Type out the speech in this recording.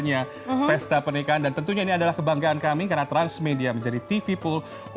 resepsi malam pernikahan kaisang erina akan kembali usai jeda bersama rekan kami taufik iman syah dan juga astrid fiar